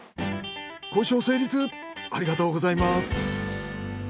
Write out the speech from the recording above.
交渉成立ありがとうございます。